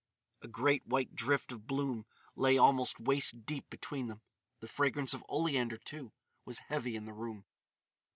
A great white drift of bloom lay almost waist deep between them; the fragrance of oleander, too, was heavy in the room.